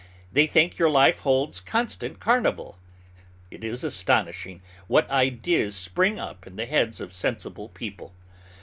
They think your life holds constant carnival. It is astonishing what ideas spring up in the heads of sensible people.